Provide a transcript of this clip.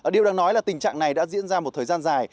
điều đang nói là tình trạng này đã diễn ra một thời gian dài